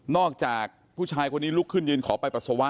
จากผู้ชายคนนี้ลุกขึ้นยืนขอไปปัสสาวะ